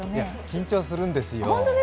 緊張するんですよ。